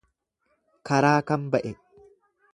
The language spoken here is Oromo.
Karaa kam ba'e.